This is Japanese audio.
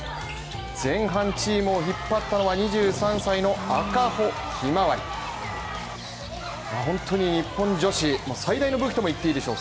前半チームを引っ張ったのは２３歳の赤穂ひまわり日本女子の最大の武器ともいっていいでしょう